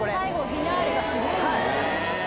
フィナーレがすごいんですよ。